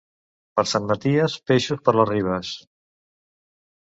Per Sant Maties, peixos per les ribes.